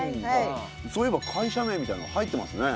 そういえば会社名みたいなの入ってますね。